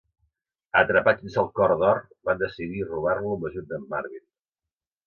Atrapats sense el "Cor d'or", van decidir robar-lo amb l'ajut d'en Marvin.